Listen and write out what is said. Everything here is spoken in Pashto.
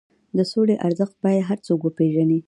د سولې ارزښت باید هر څوک وپېژني.